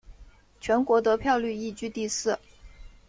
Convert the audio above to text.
全国得票率亦居第四。